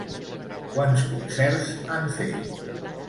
Quants concerts han fet?